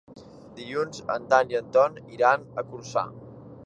Dilluns en Dan i en Ton iran a Corçà.